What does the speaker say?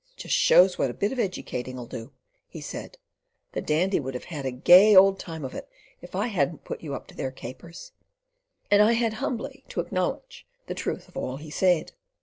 "Just shows what a bit of educating'll do," he said. "The Dandy would have had a gay old time of it if I hadn't put you up to their capers"; and I had humbly to acknowledge the truth of all he said.